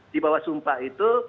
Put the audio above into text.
di bawah sumpah itu